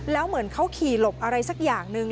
แล้วเหมือนเขาขี่หลบอะไรสักอย่างหนึ่ง